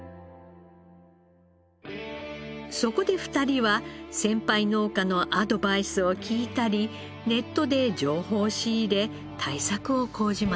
そこで２人は先輩農家のアドバイスを聞いたりネットで情報を仕入れ対策を講じました。